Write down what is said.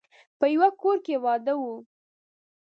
په يوه کور کې واده و.